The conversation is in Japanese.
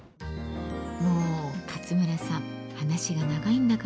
もう勝村さん話が長いんだから。